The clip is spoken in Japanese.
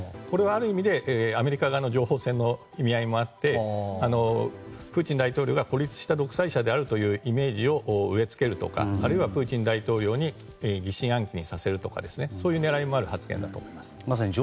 これはある意味でアメリカ側の情報戦の意味合いもあってプーチン大統領が孤立した独裁者であるというイメージを植え付けるとかあるいはプーチン大統領を疑心暗鬼にさせる狙いもある発言だと思います。